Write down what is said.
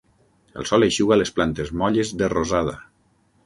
El sol eixuga les plantes molles de rosada.